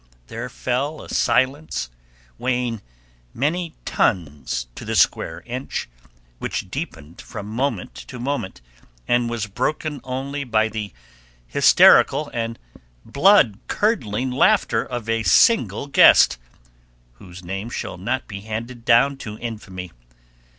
There fell a silence, weighing many tons to the square inch, which deepened from moment to moment, and was broken only by the hysterical and blood curdling laughter of a single guest, whose name shall not be handed down to infamy.